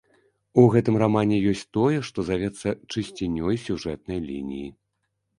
У гэтым рамане ёсць тое, што завецца чысцінёй сюжэтнай лініі.